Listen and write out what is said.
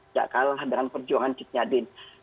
tak kalah dengan perjuangan cutnya din